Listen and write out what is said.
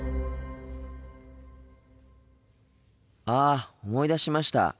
ああ思い出しました。